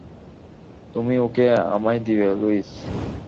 তুমি ওকে আমায় দিবে, লুইস!